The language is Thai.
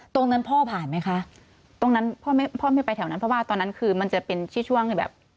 พ่อผ่านไหมคะตรงนั้นพ่อไม่พ่อไม่ไปแถวนั้นเพราะว่าตอนนั้นคือมันจะเป็นที่ช่วงแบบ